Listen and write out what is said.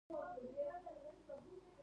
دا سپی دی